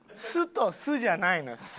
「す」と「す」じゃないのよ。